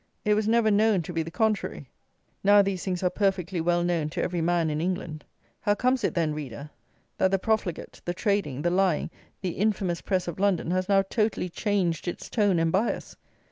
It was never known to be the contrary. Now these things are perfectly well known to every man in England. How comes it, then, reader, that the profligate, the trading, the lying, the infamous press of London, has now totally changed its tone and bias.